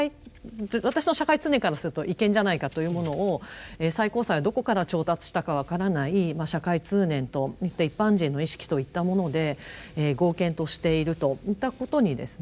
私の社会通念からすると違憲じゃないかというものを最高裁はどこから調達したか分からない社会通念と一般人の意識といったもので合憲としているといったことにですね